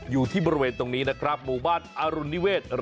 อยู่ที่บริเวณตรงนี้นะครับหมู่บ้านอรุณนิเวศ